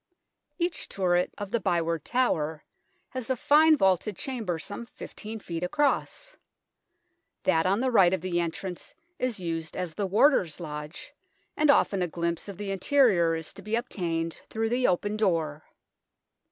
Each turret of the Byward Tower has a fine vaulted chamber some 15 ft. across. That on the right of the entrance is used as the Warder's Lodge, and often a glimpse of the interior is to be obtained through the open door.